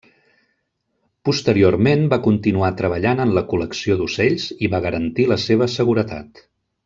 Posteriorment, va continuar treballant en la col·lecció d'ocells i va garantir la seva seguretat.